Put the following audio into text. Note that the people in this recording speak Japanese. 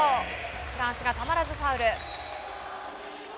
フランスがたまらずファウル。